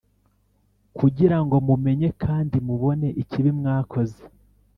Kugira ngo mumenye kandi mubone ikibi mwakoze